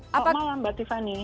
selamat malam mbak tiffany